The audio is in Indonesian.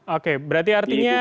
oke berarti artinya